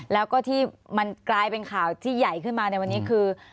แล้วก็ที่มันกลายเป็นข่าวที่ใหญ่ขึ้นมาในวันนี้คือ